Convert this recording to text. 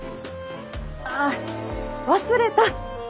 あ忘れた。